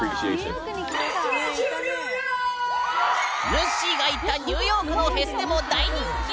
ぬっしーが行ったニューヨークのフェスでも大人気！